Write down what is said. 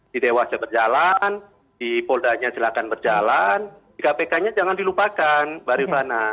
di dewasnya berjalan di poldanya silakan berjalan di kpk nya jangan dilupakan baris mana